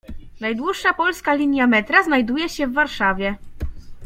Najdłuższa polska linia metra znajduje się w Warszawie.